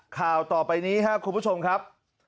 ข่าวต่อไปนี้ครับคุณผู้ชมครับ